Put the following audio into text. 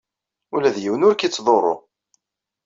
Ula d yiwen ur k-yettḍurru.